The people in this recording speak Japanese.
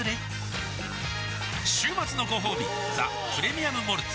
週末のごほうび「ザ・プレミアム・モルツ」